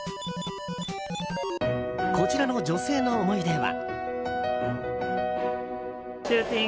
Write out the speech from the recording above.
こちらの女性の思い出は。